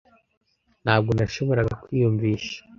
Ntabwo nashoboraga kwiyumvisha.